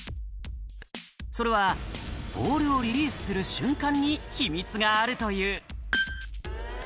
それはボールをリリースする瞬間に秘密があるという。